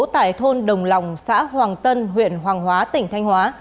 tại thôn đồng lòng xã hoàng tân huyện hoàng hóa tỉnh thanh hóa